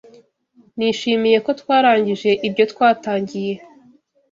Nishimiye ko twarangije ibyo twatangiye.